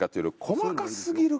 細かすぎる？